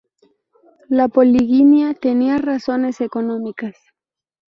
La poliginia tenía razones económicas.